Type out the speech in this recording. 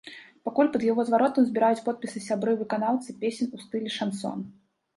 Пакуль пад яго зваротам збіраюць подпісы сябры выканаўцы песень у стылі шансон.